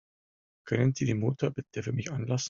Können Sie den Motor bitte für mich anlassen?